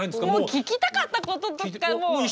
聞きたかったこととかもう。